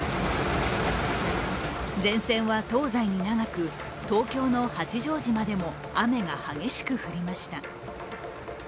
前線は東西に長く東京の八丈島でも雨が激しく降りました。